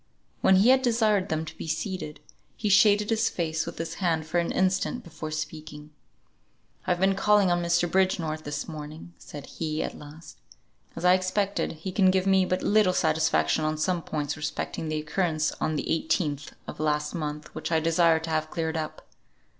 When he had desired them to be seated, he shaded his face with his hand for an instant before speaking. "I have been calling on Mr. Bridgenorth this morning," said he, at last; "as I expected, he can give me but little satisfaction on some points respecting the occurrence on the 18th of last month which I desire to have cleared up.